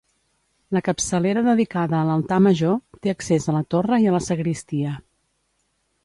La capçalera dedicada a l'altar Major, té accés a la torre i a la sagristia.